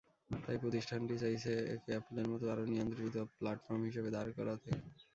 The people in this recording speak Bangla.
তাই প্রতিষ্ঠানটি চাইছে একে অ্যাপলের মতো আরও নিয়ন্ত্রিত প্ল্যাটফর্ম হিসেবে দাঁড় করাতে।